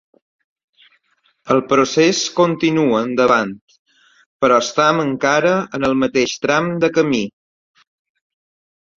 El procés continua endavant però estem encara en el mateix tram de camí.